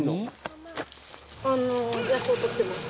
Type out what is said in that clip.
野草取ってます。